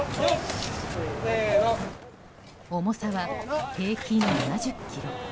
重さは平均７０ｋｇ。